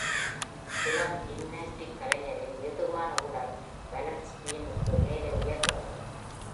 இளம் ஜிம்னாஸ்டிக் கலைஞரின் மிருதுவான உடல் balance beam-க்கு மேலே உயர்கின்றது.